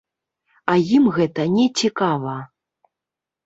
А ім гэта не цікава.